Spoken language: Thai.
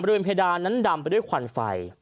บริเวณเพดานั้นดำไปด้วยขวัญไฟ